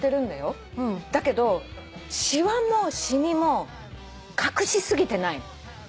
だけどシワもシミも隠しすぎてない。